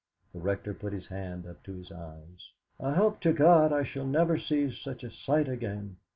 The Rector put his hand up to his eyes. "I hope to God I shall never see such a sight again!